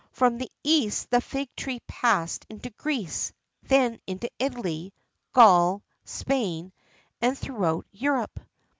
[XIII 47] From the East the fig tree passed into Greece, then into Italy, Gaul, Spain, and throughout Europe.